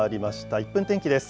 １分天気です。